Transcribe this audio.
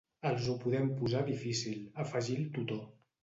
Els ho podem posar difícil —afegí el tutor.